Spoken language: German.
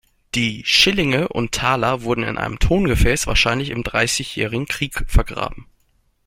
Die Schillinge und Taler wurden in einem Tongefäß wahrscheinlich im Dreißigjährigen Krieg vergraben.